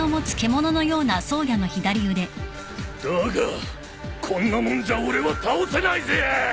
だがこんなもんじゃ俺は倒せないぜ！